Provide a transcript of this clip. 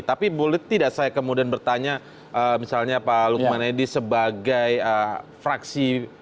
tapi boleh tidak saya kemudian bertanya misalnya pak lukman edi sebagai fraksi